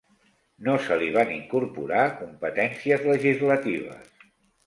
No se li van incorporar competències legislatives.